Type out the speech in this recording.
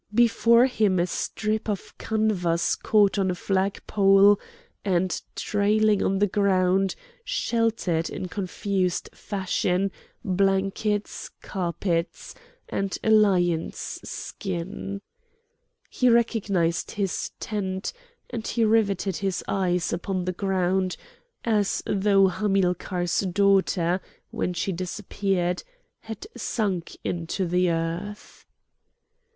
Before him a strip of canvas caught on a flagpole, and trailing on the ground, sheltered in confused fashion blankets, carpets, and a lion's skin. He recognised his tent; and he riveted his eyes upon the ground as though Hamilcar's daughter, when she disappeared, had sunk into the earth.